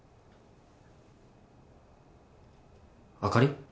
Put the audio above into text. あかり？